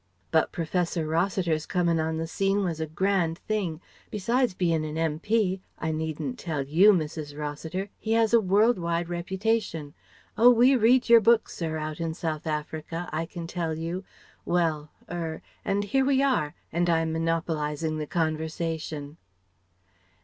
But Professor Rossiter's coming on the scene was a grand thing. Besides being an M.P., I needn't tell you, Mrs. Rossiter, he has a world wide reputation. Oh, we read your books, sir, out in South Africa, I can tell you Well er and here we are and I'm monopolizing the conversation."